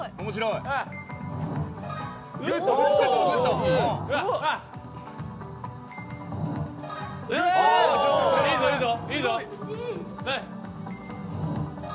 いいぞ、いいぞ。